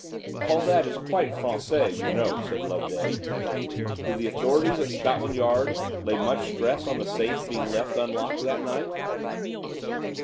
"All that is quite Français, you know," said Loveday. "Do the authorities at Scotland Yard lay much stress on the safe being left unlocked that night?"